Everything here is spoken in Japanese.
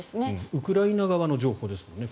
ウクライナ側の情報ですもんね。